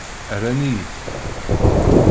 Rran-iyi-t.